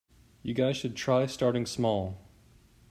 You guys should try starting small.